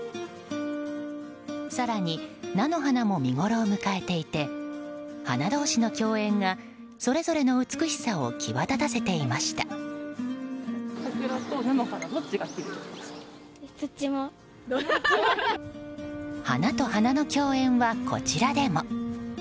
更に、菜の花も見ごろを迎えていて花同士の共演がそれぞれの美しさを花と花の共演は、こちらでも。